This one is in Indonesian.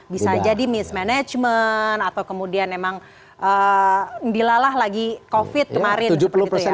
bisa jadi mismanagement atau kemudian emang dilalah lagi covid kemarin